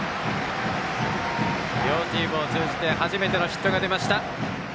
両チームを通じて初めてのヒットが出ました。